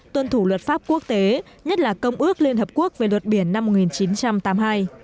tuân thủ luật pháp quốc tế nhất là công ước liên hợp quốc về luật biển năm một nghìn chín trăm tám mươi hai